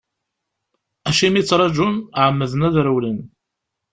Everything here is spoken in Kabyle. Acimi ttarǧun, ɛemmden ad rewlen.